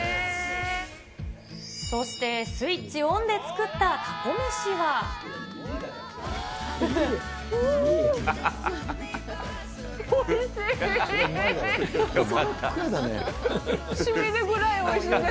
そしてスイッチオンで作ったうーん。